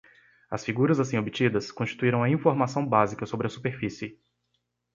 As figuras assim obtidas constituirão a informação básica sobre a superfície.